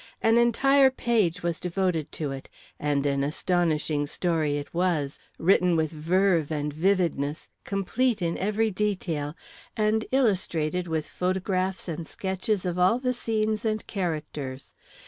An entire page was devoted to it and an astonishing story it was, written with verve and vividness, complete in every detail, and illustrated with photographs and sketches of all the scenes and characters.